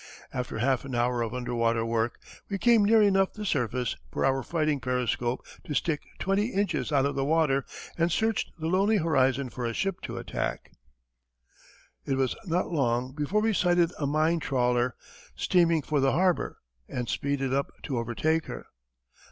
After half an hour of underwater work we came near enough the surface for our fighting periscope to stick twenty inches out of the water and searched the lonely horizon for a ship to attack. It was not long before we sighted a mine trawler, steaming for the harbour, and speeded up to overtake her.